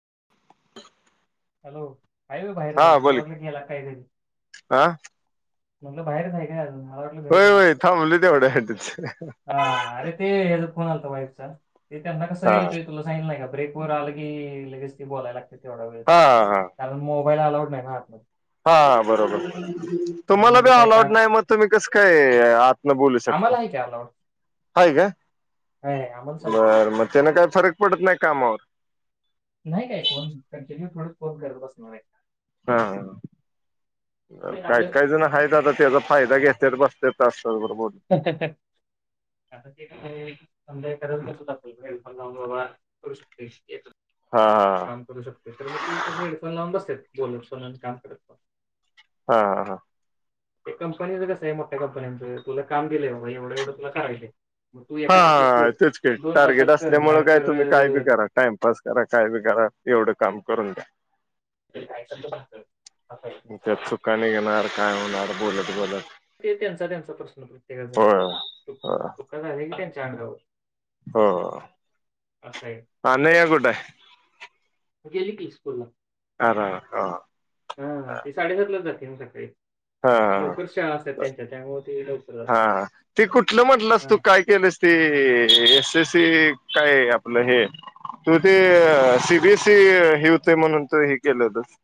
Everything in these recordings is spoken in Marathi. [inaudible] हॅलो, आहे व्हय बाहेरच हा अजुन मला बोल वाटलं की गेला का काय घरी. हा म्हणलं बाहेरच हाय काय अजून. मला वाटलं घरी होय गेला होय का काय, थांबली तेवढ्यासाठीच अंऽऽ अरे ते हेजा फोन आलता, वाईफ चा ते त्यांना कसं हा य, तुला सांगलं नाही का ब्रेकवर आलं की लगेच त बोलाय लागते तेवढा हा हा हाऽऽ यला अलाउड नाही नाऽऽ आत मद्ये हा बरोबर, म्हणून तुम्हाला बी म्हटलं काय का अलावड नाही मग तुम्ही कसं काय आतन बोलू शकता, म्हाला आहे की अलावड हाय का, बरंऽ ऽऽमग त्याना काय फरक पडत नाही कामावर नाही काय कोण, कंटीन्यू थोडचं फोन करत बसणार य हा, ऽऽ ते काही आपलं काही जण हायतं आता त्याचा फायदा घेत्यात बस्त्यात हाऽऽऽऽआता ते काय चालंलय, [inaudible] हा काम करू शकतोय तर मग ती तस हेडफोन लावून बसत्यात, बोलत पन आणी काम करत पण, हा हा हाऽऽ ते कंपनीचं कसयं, मोठ्या कंपनी्यांचं, तुला काम दिलंय बाबा एवढं एवढं तुला करायचय, हाऽऽऽ तेच की, टार्गेट कर असल्यामुळे काय नाहीतर तुम्ही काय बी करा, टाइमपास करा, काय बी करा, एवढं काम करून द्या, त्यात चुका [inaudible] निघणार काय होणार बोलत, बोलत, ते त्यांचा त्यांचा प्रश्न प्रत्येकाचा, होय हो तो का घालेल की त्यांच्या अंगावर. हो असं आहे अनघा कुठंय? गेली की स्कूलला, हा ती साडेसातलाच जाती ना सकाळी. हा लवकर शाळा असतात त्यांच्या त्यामुळे ते लवकर हा जातात ते कुठलं म्हटलंस तू हा काय केलंस ते ए एस. एस. ते काय आपलं हे तू ते सी. बी. एस. ते ही हुतंय म्हणून तु ही केल व्हतंस.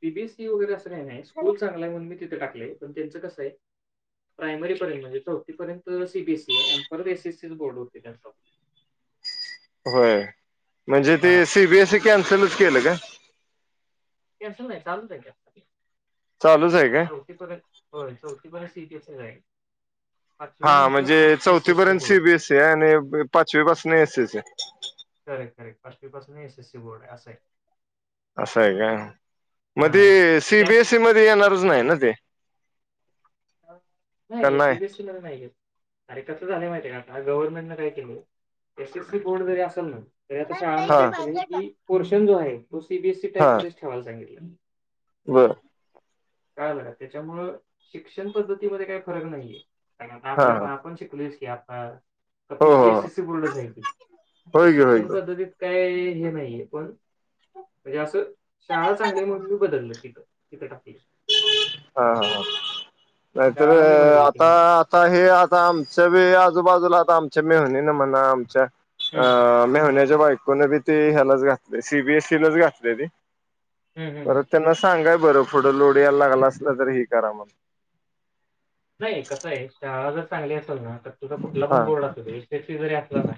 सी. बी. एस सी वगैरे असं नाही, स्कूल चांगल आहे म्हणून मी तिथं टाकलंय, पण त्यांचं कसाय प्रायमरीपर्यंत म्हणजे चौथीपर्यंत सी. बी. एस. ई हाय आणि परत एस. एस. सी. बोर्ड होतयं त्यांच [unintelligible] होय, म्हणजे ते सी. बी. एस. ई. कॅन्सलच केलं का? [unintelligible] ते चालूच आहे का नाही. हा पाचवी नंतर म्हणजे एस एस चौथीपर्यंत C. Board B. S. C. आणि पाचवी पासून S. S. C. Correct, correct पाचवी पासून एस. एस. सी बोर्ड हाय आसं हाय. असं हाय का? म ती हा सी. बी. त्याच एस. ई मध्ये येणारच नाही ना ते? नाही सी. बी. एस. सी. ला नाही घेत, अरे कसं झालंय माहिती आहे का ह्या गव्हर्नमेंटन काय केलयं, एस. एस. सी. बोर्ड जरी असलं ना तरी आता शाळांना हा काय केलंय की, पोर्शन जो आहे तो C. B. S. C. Type हा मध्येच ठेवायला सांगितलंय. बर. कळालं का, त्याच्यामुळं शिक्षण पद्धतीमध्ये काही फरक नाहीये. कारण आता हा आपल्या पण आपण शिकलोयचं की आता हो कपी सी. हो एस. एस. सी. बोर्डच हाय की, होय की होय की शिक्षण पद्धतीत काही ते हे नाहीये पण म्हणजे असं, शाळा चांगली हाय म्हणून मी बदलल तिथ, हिथं टाकलं. हा हा, नाहीतर लय भारी आहे ती आता, म्हणजे. आता, हे आता आमचं आजूबाजूला आता आमच्या मेव्हन्यानं म्हणा, आमच्या हं, हं. अ मेव्हन्याच्या बाय पुन्हा भी ती ह्यालाच घातलय, सी. बी. एस. सी. लाच घातलयं ती, हं, हं, हं. परत त्यांना सांगा बरं पुढं लोढ यायला लागला असल तर ही करा मग नाही कसं आहे शाळा जर चांगली असेल ना तर तुला कुठला पणं हा बोर्ड असुदे एस. एस. सी. जरी अस ली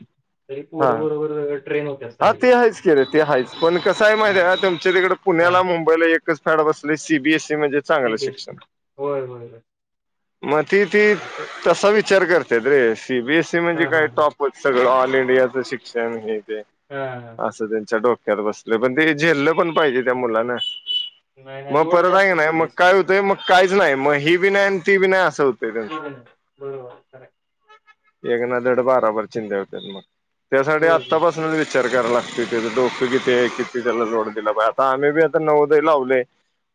तरी हा पोरं बरोबर ट्रेन होत्यात हा चांगली. ते हायचं की र ते हायचं पण कसं हाय माहिती हां, हाय का, तुमच्या तिकडं हां. पुण्याला, मुंबईला एक कच फॅड बसलंय सी. बी. एस. ई. म्हणजे ते चांगलं बेस्ट शिक्षण. होय, होय, होय. मग ती ती असं तसा विचार करत्यात रे. सी. बी. एस. सी. म्हणजे हां, काय हां, हां. टॉपच, सगळं ऑल इंडियाचं शिक्षण हे ते हं हं च्या डोक्यात बसलयं, पण ते झेललं पण पाहिजे त्या मुलांना. नाही, नाही मग लोड परत जास्त हाय क आहे नाही मग सी-बी-एस-सीला. काय होतंय, मग काहीच नाही, मग ही बी नाही आणि ती बी नाय असं हुतं होय, बरोबर हाय. एक ना धड भाराभर चिंध्या हुत्यात मग, त्यासाठी होय, होय. आत्तापासून विचार कराय लागतुयं, त्याच डोकं किती हाय? किती त्याला लोड दिला पाहिजे, आता आम्ही बी आता नवोदय लावलंय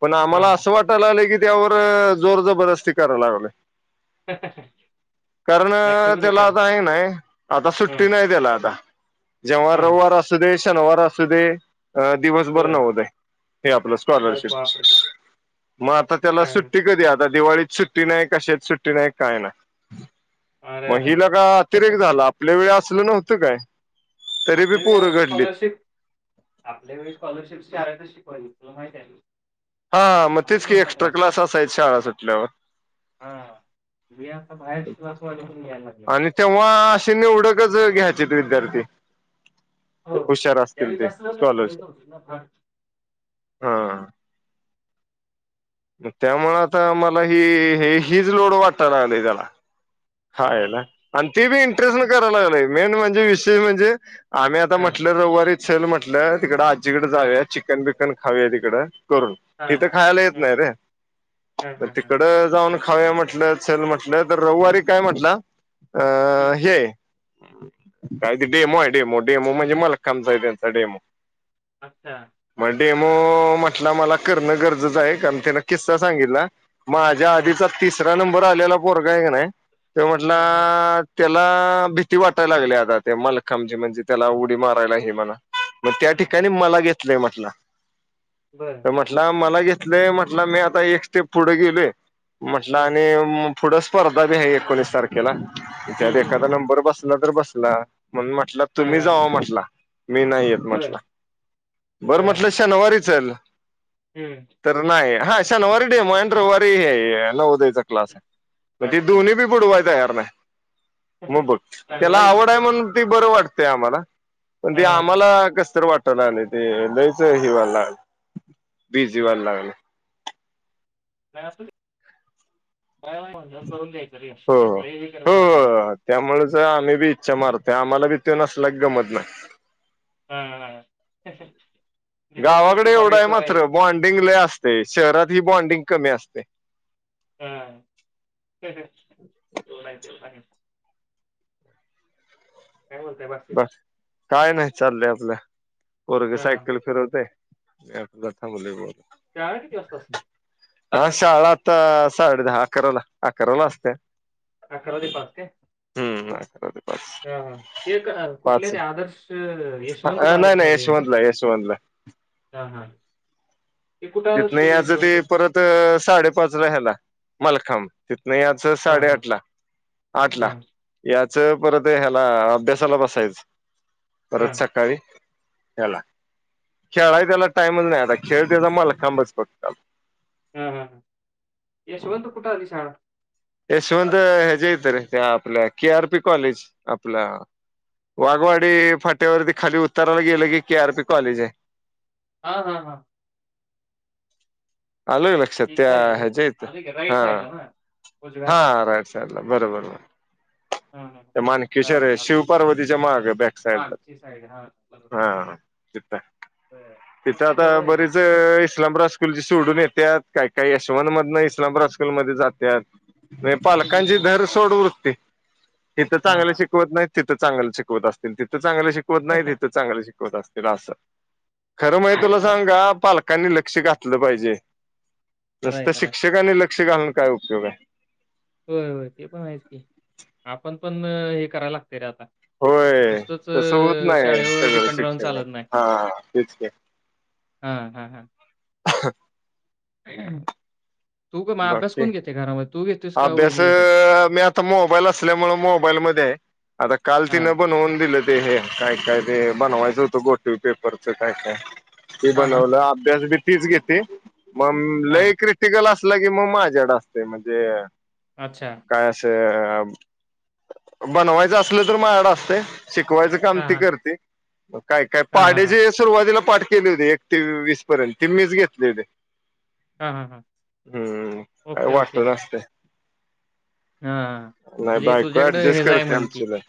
पण हां, आम्हाला हां. असं वाटायला लागलं की त्यावर जोर जबरदस्ती करायला लागलोय. [unintelligible] कारण, नाही करू दे त्याला खरं. आता हाय क नाही आता आहे. सुट्टी हं, नाही त्याला आता. जेव्हा हां. रविवार असू दे, शनिवार असू दे. अ दिवसभर बरं. नवोदय, हे आपल अरेच स्कॉलरशिप. बापरे! मग आता त्याला हां. सुट्टी कधी, आता दिवाळीत सुट्टी नाही, कशांत सुट्टी नाही, काय नाही. अरे, मग अरे, हि लका अरे! अतिरेक झाला, आपल्या वेळी असल नव्हत काय. तरी बी आपल्या वेळी पोरं घडलीत. स्कॉलरशिप, आपल्या वेळी स्कॉलरशिप शाळेतच शिक व्हयं, तुला माहित हाय व्हयं? हा मग तेच कि, एक्स्ट्रा क्लास असायचे शाळा सुटल्यावर. बाहेरची क्लास वा यायला लाग अशी निवडक च घ्यायची विद्यार्थी. हो. हुशार असतील त्यावेळी ते जास्त लोकं घेत स्कॉलरशिप नव्हते ना. हां, हा त्यामुळे आता मला हि हे हीच लोड वाटा या लागली त्याला हां, हाय हां, ना हां. आणि ते बी इंटरेस्ट न करायला लागलय मेन म्हणजे विशेष म्हणजे आम्ही आता हां, म्हटल रविवारी असेल म्हटल तिकड आजीकडे हां, जाऊया चिकन बिकन खाऊया तिकड. करून हां, तिथे हां. खायला येत हं, नाही रे हां, हां, हां. तिकड जाऊन खाउया म्हटल चल म्हटल तर रविवारी काय म्हटल अ हं. हे काय ते डेमो आहे डेमो डेमो म्हणजे [unintelligible] डेमो. अच्छा. मग डेमो म्हटला मला करण गरजेच आहे. कारण त्यान किस्सा सांगितला. माझ्या हां. आधीचा तिसरा नंबर आलेला पोरगय का नाही ते म्हटला हं, हं. त्याला भीती वाटायला लागली आता ते मालखांमजे म्हणजे त्याला उडी मारायला हे म्हणा मग त्या हां, हां. ठिकाणी मला घेतलंय म्हटल बरं. तर म्हटला मला घेत म्हटलं मी आता एक स्टेप पुढे गेले म्हटल हं. आणि पुढ स्पर्धा बी आहे. एकोणीस तारखेला इथ हं, हं, एखादा हं. नंबर बसला तर बसला. म्हण म्हटलं हां, तुम्ही हां. जाव म्हटला मी नाही येत बरं, म्हटल. बरं म्हटल शनवारी चल. हं. तर नाही हा शनिवारी डेमो हाय आणि रविवारी हे नवदयाचा क्लास आहे. ते अच्छा. दोन्ही बी बुडवाय तयार नाही. मग बघ चांगलं त्याला की. आवड आहे म्हणून ती बर वाटतेय आम्हाला. पण हां, ते हां, हां. आम्हाला कस तर वाटत. ले ते लयच हिवाल ला बिझी हि वयाल लागल. [unintelligible] हो हो. हो हो [unintelligible] त्यामुळेच आम्ही बी इच्छा मारते. आम्हाला बी ते नसल्या गमत नाही. हा हा दिवसभर ती गावाकडे एवढा बघायची आहे सवय मात्र बॉन्डिंग लय अस शहरात ही बॉनडिंग कमी असते. हा [unintelligible] काय म्हणतय बाकी, बस काय नाही चाललंय आपल्या पोरग हा हा हा सायकल फिरवतेय. मी आपला थांबलोय मो शाळा किती वाजता असते. हा शाळा तर साडे दहा अकराला अकराला असते. अकरा ते पाच ते हम्म अकरा ते हा हा ते कुठले पाच ते आदर्श पाच यशवंत नाही बालक नाही मध्ये ना. यशवंतला यशवंतला हा हा,, ते कुठं आलं तिथन स्कूल याचं ते यशवंत? परत साडेपाचला ह्याला मालखांम ति नाही याच हा हा साडेआठ ला आठ ला हा या परत ह्याला अभ्यासाला बसायच हा परत सकाळी. त्याला खेळाय त्याला टाइमच नाही आता खेळ त्याचा मला खांबच फक्त. हम् हम हम यशवंतु कुठ आलीशाळा. यशवंत ह्या जे येत रे, त्या आपल्या के आर पी कॉलेज आपलं वाघवाडी फाट्यावरती खाली उत्तराला गेलं की के आरपी कॉलेज आहे. हां हां हां. अल का लक्षात? त्या तिथं आहे होय. ह्याच्या इथं, आलं की राईट हां, साईडला ना उजव्या हाताला. हा राईट साइडला. बरोबर हा हा हा. बरोबर. मानकेश्वर चालेल आहे चालेल शिवपार्वतीच्या माग, बॅक साइडला. मागची साईड हा बरोबर. हा तिथ. बर मग तिथ काय आता जवळ आहे की. बरीच इस्लामरास्कूलची तोडून येतात. काय काय यशवंत मधन इस्लामरास्कलमध्ये जातात. नाही हं, हं, पालकांची हं. धर सोड वृत्ती. तिथं चांगले हां. शिकवत नाही तिथं चांगलं शिकवत असतील, तिथं चांगलं शिकवत नाही, तिथं चांगलं शिकवत असतील असं. खरं म्हणजे ते तुला असं सांगु का पालकांनी लक्ष घातलं पाहिजे. खरं आहे, नसत खरं आहे. शिक्षकाने लक्ष घालून काय उपयोग आहे? होय होय ते पण आहेच की आपण पण हे करायला लागतय रे आता. होय नुसतंच तसं होत नाही शाळेवर सगळं डिपेंड राहून शिक्षण चालत नाही. हा तेच की हां हं हं. [unintelligible] [unintelligible] तू का मग अभ्यास बाकी कोण घेते घरामध्ये? तू घेतोयस का अभ्यास वहिनी घेतात? मी आता मोबाईल असल्यामुळे मोबाईलमध्येये. आता काल तीन हां. बणवऊन दिल ते हे. काय काय ते बनवायचं होतं घोटीव पेपरच काय काय. ते हां, हां, बनवलं, हां. अभ्यास बी तीच घेते मग हां. लई क्रिटिकल असलं की मग माझ्याड असते. म्हणजे, अच्छा. काय असं बनवायचं असल तर माझ्याकडं असतय. शिकवायचं काम हां, ती हां. करते. काय काय हां, हां, पाढे हां. जे सुरुवातीला पाठ केली होती एक ते वीस पर्यंत. ते मीच घेतली होते. हां हां हां. हं हं हं, काय ओके, ओके. वाटत असतय. हां. नाही म्हणजे बायको तुझ्याकडं ऍडजस्ट ह्याचं आहे करते म्हण की आमची लई.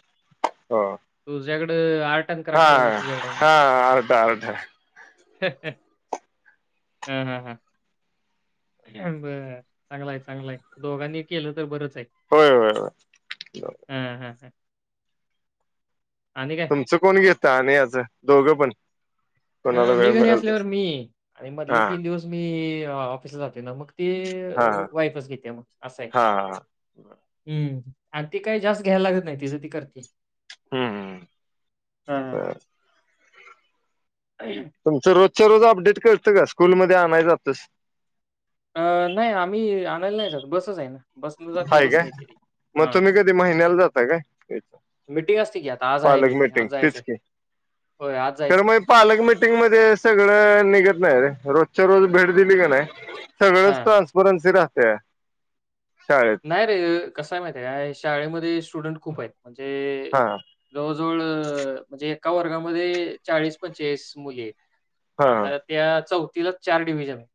तुझ्याकडं, आर्ट ॲन्ड हा क्राफ्ट वाल तुझ्याकड आहे म? हा अर्धा अर्धा हं हं हं. बर चांगलाय चांगलंय. दोघांनी केलं तर बरंच च आहे. होय होय होय ह ह हं. तुमचं कोण घेता आणि याचं दोघं पण? कोणाला अ मी वेळ घरी मिळेल असल्यावर तस मी, आणि मधले हा तीन दिवस मी ऑफिसला जातोय ना. मग ते हा वाईफच घेते मग असं आहे. हा. हं, आणि ती काही जास्त घ्यायला लागत नाही तिचं ती करते. हं हं हं, हां. बरं. तुमचं रोजच्या रोज अपडेट करतं का स्कूलमध्ये आणाय जातोस? अं नाही आम्ही आणायला नाही जात बसच आहे ना बस ने जाते हाय बस काय ने येते ती. मग हां. तुम्ही कधी महिन्याला जाता काय? क मिटिंग असते की. आता आज आहे मिटिंग, आज जायचं. खर मग पालक मिटिंग मध्ये सगळं निघत नाही रे. रोजच्या रोज भेट दिली का नाही सगळंच हां. ट्रान्सपरन्सी राहते. शाळेत नाही रे, कसये माहिती काय? शाळेमध्ये स्टुडंट खूप आहेत. म्हणजे हा जवळजवळ म्हणजे एका वर्गामध्ये चाळीस पंचास मुली आहेत. हा आता त्या चौथ तीला चार डिव्हजन आहेत.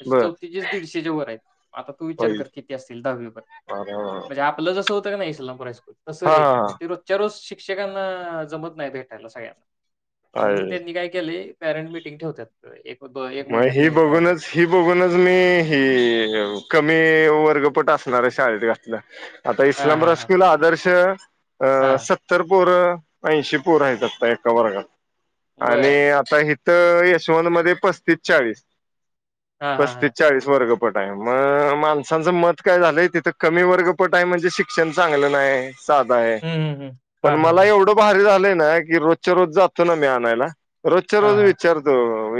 म्हणजे बर चौथीचेच दीडशेच्या वर आहेत. आता तू विचार होईल कर किती असतील तील दहावीपर्यंत. हा म्हणजे आपलं जसं होतं की नाही इस्लामपूर हस्कूल, तसं हा रे मग ते रोजच्या रोज शिक क्षकांना जमत नाही भेटायला सगळ्यांना. आहे म्हणून त्यांनी काय केले, पेरंट मिटिंग ठेवतात एक दो मग महिन्यातनं ही एकदा वगैरे. बघूनच ही बघूनच मी ह कमी र्पट असणार शाळेत घलं आता हां, हां, हां. इस्लामकूल आदर्श अं हां. सत्तर पोर ऐंशी पोर आहेत आता एका वर्गात आणि बरं. आता हथं यशवंत मध्ये पस्तीस चाळीस हां, हां, पस्तीस हां. चाळीस वर्ग पटाय मग माणसांचं मत काय झालंय तिथं कमी वर्ग पटाय म्हणजे शिक्षण चांगलं नाही साधा आहे हं, हं, हं. पण हां, हां, मला हां. एवढं भारी झाले ना की रोजच्या रोज जातो ना मी आणायला रोजच्या हां, रोज हां. विचारतो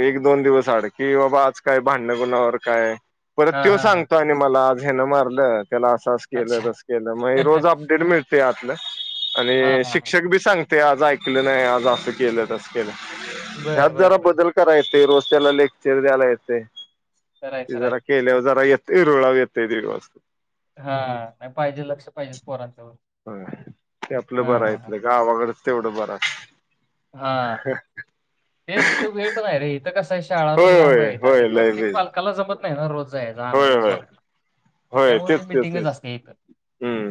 एक दोन दिवस आड की बाबा आज काय भांडण कुणावर काय परत हां, तो हां, हां. सांगतो आणि मला आज हेनं मारलं त्याला असं अस केलं अच्छा. तस केलं मग रोज हां, अपडेट मिळते आतलं आणि हां, हां. शिक्षक बी सांगते ते आज ऐकले नाही आज असं केलं तस केलं ह्यात बर बर जरा बर बदल करायं रोज त्याला लेक्चर द्यायला येतय खरं आहे, ते खरं आहे. जरा केल्यावर जरा येत रुळा येतय दीड वाजतू हा नाही पाहिजे लक्ष पाहिजे पोरांच्या व ते आपलं हा बरं आहे हा ह आपलं गावाकडच तेवढं बरंच हा ते तिथं वेळ पण आहे रे इथं कस शळा पण होय लांब होय आहेत आणि होय लय प्रत्येक बेस पालकाला जमत नाही रोज होय जायला होय सोडला तर होय त्यामुळे ते तेच तेच मीटिंगच तेच असते इथ हम्म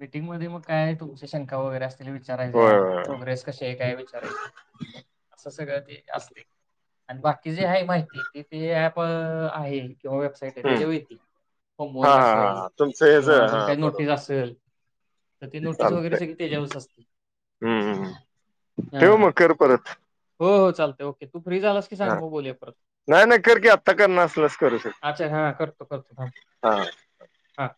मीटिंग मध्ये मग काय तुम शंका वगैरे असतील होय विचारायच्या होय प्रोग्रेस श कायचारची सगळं ते अस आणि बाकी जे आहे माहिती ते ते प आहे किंवा वेबसाईट आहे हम्म त्याच्याेवर येतील हा होमवर्क हा हा असेल हा तुमचं हेच किंवा अजून काही नोटीस असेल तर ती नोटीस वगैरे चालते सगळी त्याच्यावरच असते. हम्मम् हां, ठेव हां. मग कर परत हो हो चालते ओेू फ्री झालास की सांग हा मग बोलूया परत नाही नाही करकीी आत्ता करणार असलस करू अच्छा शक हा हा